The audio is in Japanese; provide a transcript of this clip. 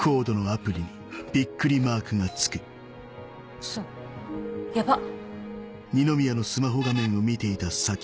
ウソヤバっ。